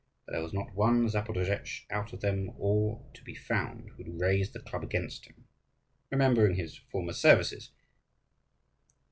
But there was not one Zaporozhetz out of them all to be found who would raise the club against him, remembering his former services.